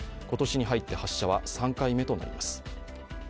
今年に入って発射は３回目となります。